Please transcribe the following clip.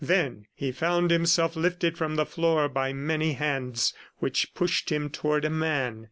Then he found himself lifted from the floor by many hands which pushed him toward a man.